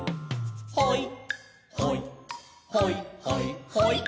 「ほいほいほいほいほい」